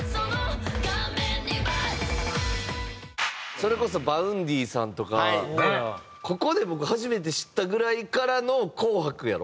それこそＶａｕｎｄｙさんとかここで僕初めて知ったぐらいからの『紅白』やろ？